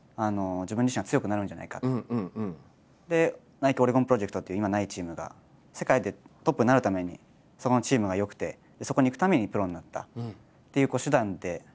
ナイキ・オレゴンプロジェクトっていう今ないチームが世界でトップになるためにそのチームがよくてそこに行くためにプロになったっていう手段であった感じなので。